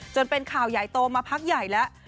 จนเป็นข่าวใหญ่โตมาพักใหญ่แล้ว